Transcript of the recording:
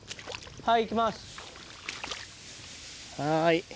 はい。